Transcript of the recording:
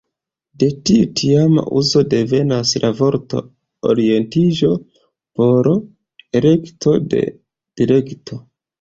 De tiu tiama uzo devenas la vorto ""orientiĝo"" por ""elekto de direkto"".